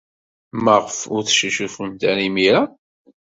Maɣef ur teccucufemt ara imir-a?